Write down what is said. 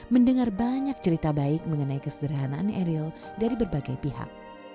mendengar banyak cerita baik mengenai kesederhanaan eril dari berbagai pihak